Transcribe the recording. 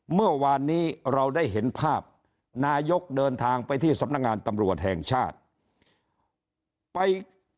เมื่อวานนี้เราได้เห็นภาพนายกเดินทางไปที่สำนักงานตำรวจแห่งชาติไป